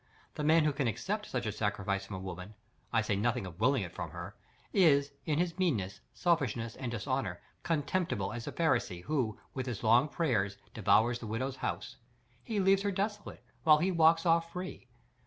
The man who can ACCEPT such a sacrifice from a woman,—I say nothing of WILING it from her—is, in his meanness, selfishness, and dishonour, contemptible as the Pharisee who, with his long prayers, devours the widow's house. He leaves her desolate, while he walks off free.